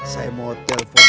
saya mau telepon ke